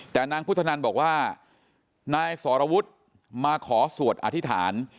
แต่นางพุทธนันบอกว่านายสรวุฒิมาขอสวดอธิษฐาน